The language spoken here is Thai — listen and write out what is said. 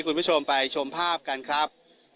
คุณผู้ชมไปชมภาพกันครับ